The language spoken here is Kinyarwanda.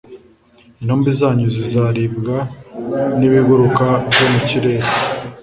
Intumbi zanyu zizaribwa n’ibiguruka byo mu kirere